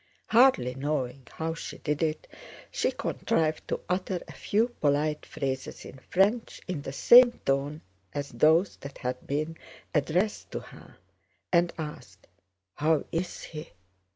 Hardly knowing how she did it, she contrived to utter a few polite phrases in French in the same tone as those that had been addressed to her, and asked: "How is he?"